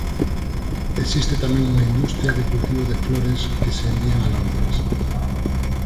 Existe tamén unha industria de cultivo de flores que se envían a Londres.